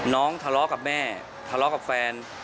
ทะเลาะกับแม่ทะเลาะกับแฟน